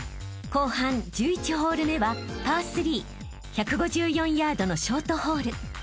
［後半１１ホール目はパー３１５４ヤードのショートホール］